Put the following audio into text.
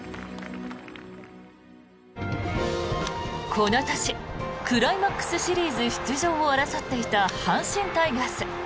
この年クライマックスシリーズ出場を争っていた阪神タイガース。